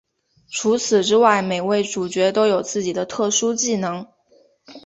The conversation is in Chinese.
除此之外每位主角都有自己的特殊技能。